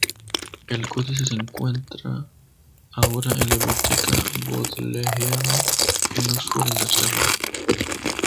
El códice se encuentra ahora en la Biblioteca Bodleiana, en Oxford, Inglaterra.